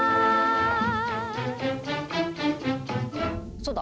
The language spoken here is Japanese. そうだ。